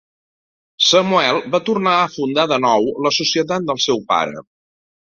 Samuel va tornar a fundar de nou la societat del seu pare.